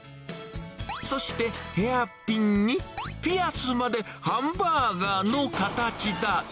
そしてヘアピンに、ピアスまでハンバーガーの形だ。